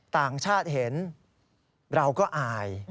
ต่างชาติเห็นเราก็อาย